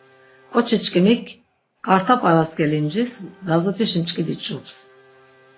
Ǩoçiçkimik ǩarta p̌araske limcis lazut̆iş mç̌ǩidi ç̌ups.